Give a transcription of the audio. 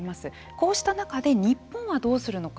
こうした中で日本はどうするのか。